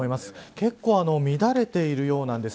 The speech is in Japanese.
結構、乱れているようなんです。